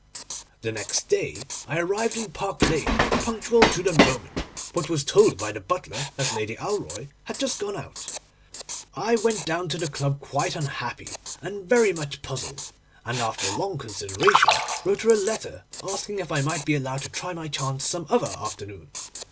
'The next day I arrived at Park Lane punctual to the moment, but was told by the butler that Lady Alroy had just gone out. I went down to the club quite unhappy and very much puzzled, and after long consideration wrote her a letter, asking if I might be allowed to try my chance some other afternoon.